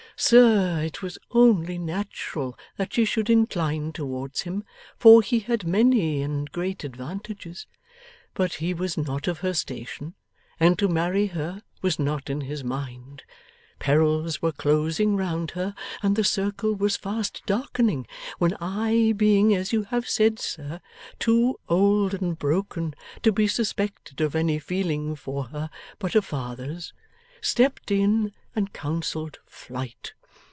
'Sir, it was only natural that she should incline towards him, for he had many and great advantages. But he was not of her station, and to marry her was not in his mind. Perils were closing round her, and the circle was fast darkening, when I being as you have said, sir, too old and broken to be suspected of any feeling for her but a father's stepped in, and counselled flight.